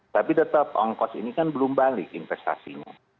tapi tetap ongkos ini kan belum balik investasinya